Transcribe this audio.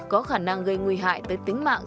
có khả năng gây nguy hại tới tính mạng